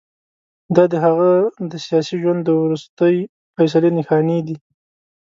دا د هغه د سیاسي ژوند د وروستۍ فیصلې نښانې دي.